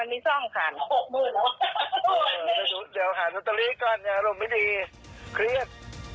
เดี๋ยวหาโนโตรีก่อนอารมณ์ไม่ดีเครียด